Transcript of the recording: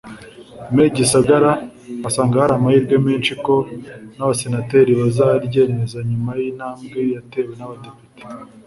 Me Gisagara asanga hari amahirwe menshi ko n’abasenateri bazaryemeza nyuma y’intambwe yatewe n’abadepite